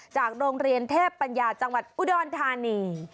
จากโรงเรียนเทพปัญญาจังหวัดอุดรธานี